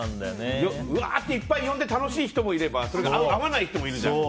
うわーっていっぱい呼んで楽しい人もいればそれが合わない人もいるじゃん。